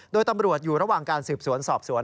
โดยตำรวจอยู่ระหว่างการสืบสวนสอบสวน